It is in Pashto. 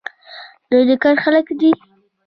دوی د کار خلک دي.